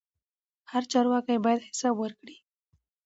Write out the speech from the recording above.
هر چارواکی باید حساب ورکړي